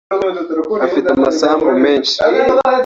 Afite amasambu menshi